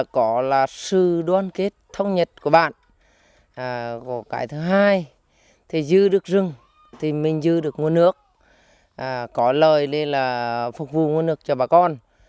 cái thứ hai thì giữ được rừng thì mình giữ được nguồn nước có lời là phục vụ nguồn nước cho bà con